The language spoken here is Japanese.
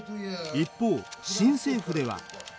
一方新政府では。